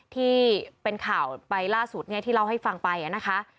ที่เป็นข่าวไปล่าสุดที่เล่าให้ฟังไปนะคะ